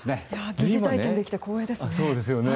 疑似体験できて光栄ですよね。